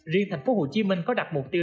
riêng thành phố hồ chí minh có đặt mục tiêu